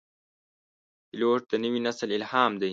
پیلوټ د نوي نسل الهام دی.